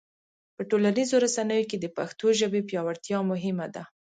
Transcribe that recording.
په ټولنیزو رسنیو کې د پښتو ژبې پیاوړتیا مهمه ده.